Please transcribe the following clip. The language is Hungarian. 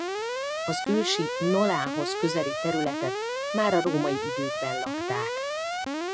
Az ősi Nolához közeli területet már a római időkben lakták.